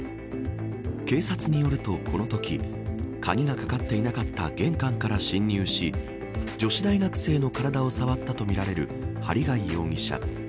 警察によると、このとき鍵がかかっていなかった玄関から侵入し女子大学生の体を触ったとみられる針谷容疑者。